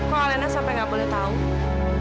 kok alena sampai gak boleh tau